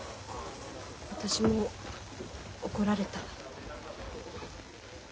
私も怒られた。